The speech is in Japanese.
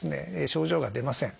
症状が出ません。